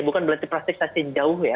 bukan berarti plastik masih jauh ya